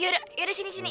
yaudah yaudah sini sini